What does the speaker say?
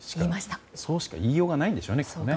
そうしか言いようがないんでしょうね。